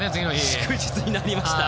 祝日になりました。